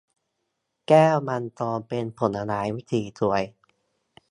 แก้วมังกรเป็นผลไม้สีสวย